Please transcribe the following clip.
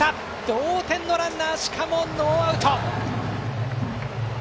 同点のランナーしかもノーアウト。